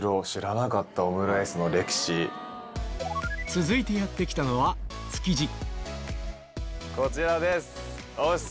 続いてやって来たのはこちらです。